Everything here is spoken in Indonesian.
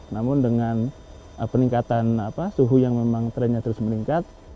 namun dengan peningkatan suhu yang memang trennya terus meningkat